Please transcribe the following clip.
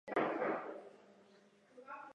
主要从事数值分析和科学计算的研究。